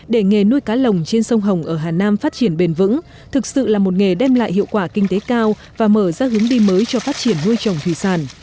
để nghề nuôi cá lồng trên sông hồng ở hà nam phát triển bền vững thực sự là một nghề đem lại hiệu quả kinh tế cao và mở ra hướng đi mới cho phát triển nuôi trồng thủy sản